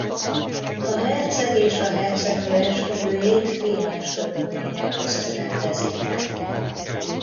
A herceg és a hercegnő esküvőjét fényes körülmények között rendezik meg.